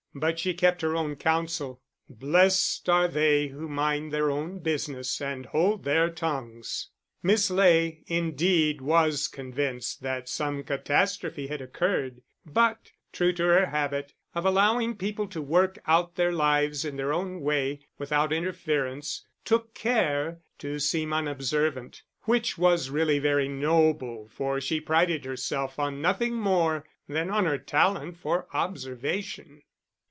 But she kept her own counsel: blessed are they who mind their own business and hold their tongues! Miss Ley, indeed, was convinced that some catastrophe had occurred, but true to her habit of allowing people to work out their lives in their own way, without interference, took care to seem unobservant; which was really very noble, for she prided herself on nothing more than on her talent for observation.